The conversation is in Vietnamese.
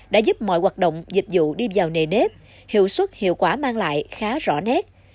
đã giúp mọi hoạt động dịch vụ đi vào nề nếp hiệu suất hiệu quả mang lại khá rõ nét